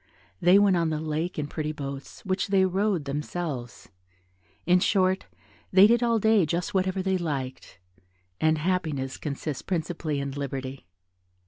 They went on the lake in pretty boats, which they rowed themselves in short, they did all day just whatever they liked, and happiness consists principally in liberty.